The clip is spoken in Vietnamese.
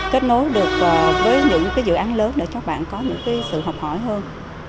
kết nối được với những dự án lớn để cho bạn có những sự học hỏi hơn